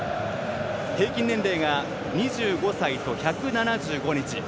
平均年齢が２５歳と１７５日。